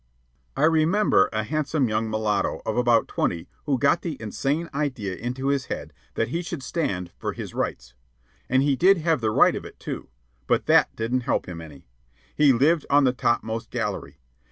I remember a handsome young mulatto of about twenty who got the insane idea into his head that he should stand for his rights. And he did have the right of it, too; but that didn't help him any. He lived on the topmost gallery.